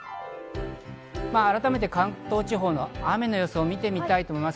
改めて関東地方の雨の予想を見てみます。